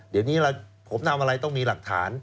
เดี๋ยวนี้ผมทำอะไรต้องมีหลักฐาน